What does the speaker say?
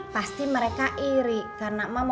pasti mereka iri karena emak mau nikah lagi